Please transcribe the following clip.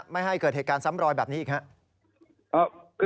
ไม่ให้เกิดเหตุการณ์ซ้ำรอยแบบนี้อีกครับ